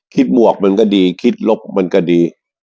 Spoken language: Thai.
หมวกมันก็ดีคิดลบมันก็ดี